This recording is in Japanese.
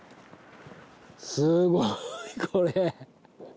すごいこれ。